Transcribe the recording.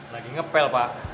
lagi ngepel pak